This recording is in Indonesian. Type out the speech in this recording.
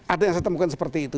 ada yang saya temukan seperti itu